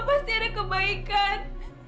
pasti ada kebaikan